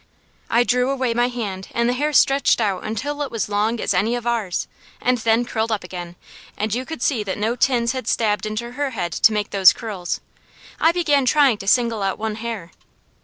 I drew away my hand, and the hair stretched out until it was long as any of ours, and then curled up again, and you could see that no tins had stabbed into her head to make those curls. I began trying to single out one hair.